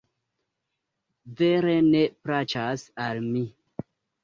Vere ne plaĉas al mi